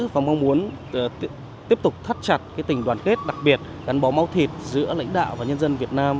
và mong muốn tiếp tục thắt chặt tình đoàn kết đặc biệt gắn bó máu thịt giữa lãnh đạo và nhân dân việt nam